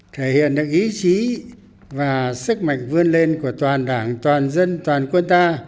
thể hiện được ý chí và sức mạnh vươn lên của toàn đảng toàn dân toàn quân ta